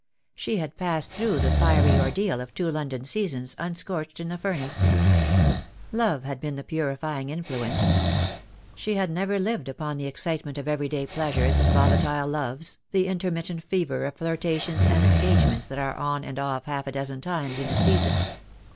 She had passed through the fiery ordeal of two London seasons unscorched in the furnace. Love had been the purifying influence. She had never lived upon the ex citement of every day pleasures and volatile loves, the intermittent fever of flirtations and engagements that are on and off half a dozen times in a season.